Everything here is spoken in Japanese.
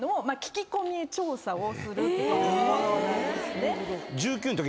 聞き込み調査をするっていうものなんですね。